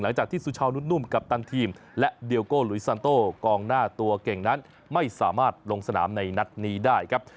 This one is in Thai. สุชาวนุดนุ่มกัปตันทีมและเดียโกหลุยซันโต้กองหน้าตัวเก่งนั้นไม่สามารถลงสนามในนัดนี้ได้ครับ